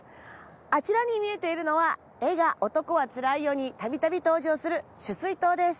あちらに見えているのは映画『男はつらいよ』に度々登場する取水塔です。